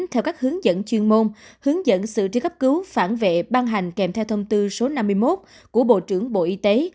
theo các hướng dẫn chuyên môn hướng dẫn sự tri cấp cứu phản vệ ban hành kèm theo thông tư số năm mươi một của bộ trưởng bộ y tế